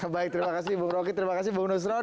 baik terima kasih bu rocky terima kasih bu nusron